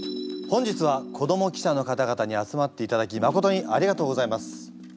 本日は子ども記者の方々に集まっていただきまことにありがとうございます。